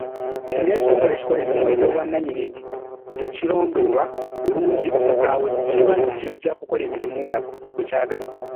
Singa ekitongole ekikola emirimu egy'obwannannyini tekirondoolwa bulungi, awo kiba kijja kukola emirimu nga bwe kyagadde.